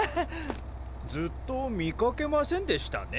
ずっと見かけませんでしたね。